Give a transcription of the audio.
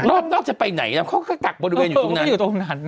รอบนอกจะไปไหนเขาก็จักบริเวณอยู่ตรงนั้น